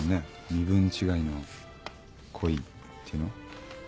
身分違いの恋っていうの。